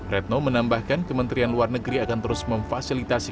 retno menambahkan kementerian luar negeri akan terus memfasilitasi